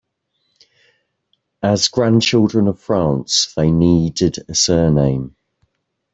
As Grandchildren of France, they needed a surname.